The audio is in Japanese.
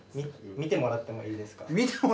見てもらってもいいですか？